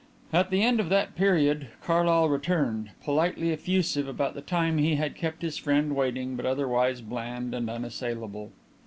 At the end of that period Carlyle returned, politely effusive about the time he had kept his friend waiting but otherwise bland and unassailable.